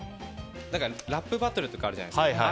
ラップバトルとかあるじゃないですか。